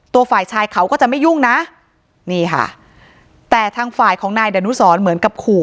ฝ่ายชายเขาก็จะไม่ยุ่งนะนี่ค่ะแต่ทางฝ่ายของนายดนุสรเหมือนกับขู่